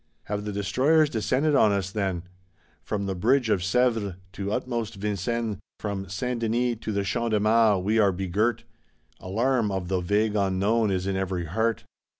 Have the destroyers descended on us, then? From the Bridge of Sèvres to utmost Vincennes, from Saint Denis to the Champ de Mars, we are begirt! Alarm, of the vague unknown, is in every heart.